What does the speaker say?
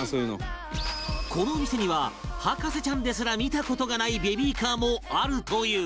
このお店には博士ちゃんですら見た事がないベビーカーもあるという